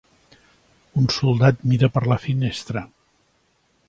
Un soldat mira per la finestra.